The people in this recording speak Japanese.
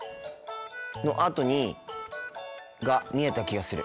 のあとにが見えた気がする。